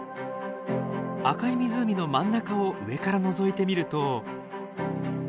赤い湖の真ん中を上からのぞいてみると。